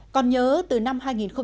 còn nhớ từ năm hai nghìn một mươi tám